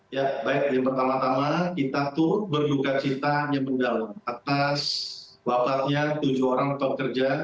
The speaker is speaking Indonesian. ya baik yang pertama tama kita tuh berduka cita yang mendalam atas wabatnya tujuh orang untuk kerja